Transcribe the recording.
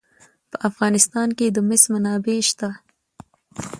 په افغانستان کې د مس منابع شته.